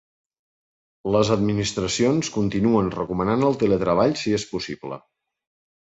Les administracions continuen recomanant el teletreball si és possible.